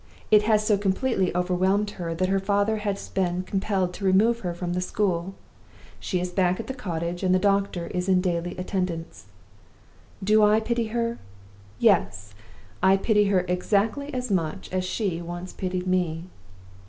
It has so completely overwhelmed her that her father has been compelled to remove her from the school. She is back at the cottage, and the doctor is in daily attendance. Do I pity her? Yes! I pity her exactly as much as she once pitied me!